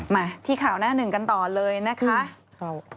มาที่ข่าวหน้าหนึ่งกันต่อเลยนะคะ